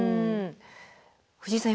藤井さん